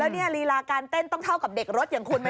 นี่ลีลาการเต้นต้องเท่ากับเด็กรถอย่างคุณไหม